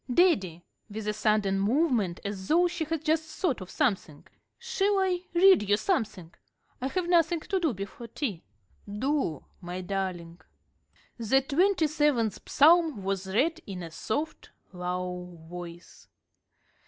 Daddy" with a sudden movement, as though she had just thought of something "shall I read you something? I have nothing to do before tea." "Do, my darling." The twenty seventh Psalm was read in a soft, low voice.